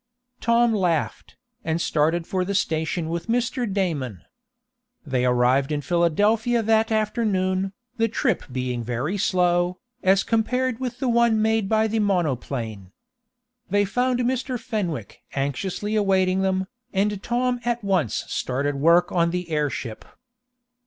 Tom laughed, and started for the station with Mr. Damon. They arrived in Philadelphia that afternoon, the trip being very slow, as compared with the one made by the monoplane. They found Mr. Fenwick anxiously awaiting them, and Tom at once started work on the airship.